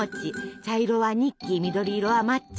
茶色はニッキ緑色は抹茶。